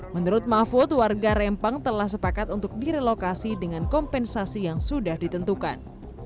menurut mahfud warga rempang telah sepakat untuk direlokasi dengan kompensasi yang sudah ditentukan